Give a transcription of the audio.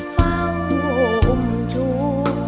เฝ้าห่มชู